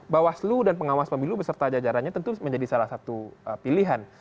bawaslu dan pengawas pemilu beserta jajarannya tentu menjadi salah satu pilihan